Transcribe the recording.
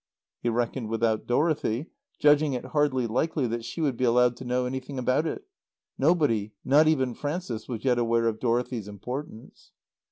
He reckoned without Dorothy, judging it hardly likely that she would be allowed to know anything about it. Nobody, not even Frances, was yet aware of Dorothy's importance.